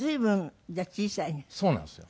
そうなんですよ。